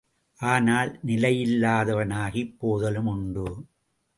ஆனால் நிலையில்லாதனவாகிப் போதலும் உண்டு.